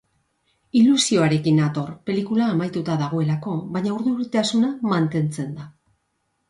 Ilusioarekin nator, pelikula amaituta dagoelako, baina urduritasuna mantentzen da.